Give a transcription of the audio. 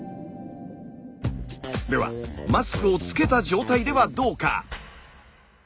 ではマスクをつけた状態ではどうか？